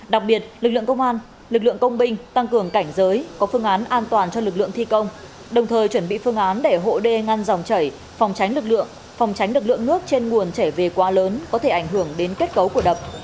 đặc biệt lực lượng công an lực lượng công binh tăng cường cảnh giới có phương án an toàn cho lực lượng thi công đồng thời chuẩn bị phương án để hộ đê ngăn dòng chảy phòng tránh lực lượng phòng tránh được lượng nước trên nguồn chảy về quá lớn có thể ảnh hưởng đến kết cấu của đập